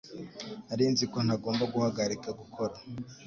Nari nzi ko ntagomba guhagarika gukora